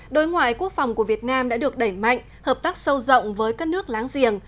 đối ngoại quốc phòng của việt nam đã được đẩy mạnh hợp tác sâu rộng với các nước láng giềng